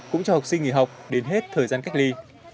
cũng cho học sinh nghỉ học đến hết thời gian cách ly